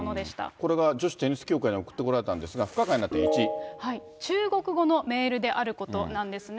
これが女子テニス協会に送ってこられたんですが、中国語のメールであることなんですね。